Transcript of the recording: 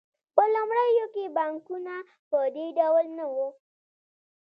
په لومړیو کې بانکونه په دې ډول نه وو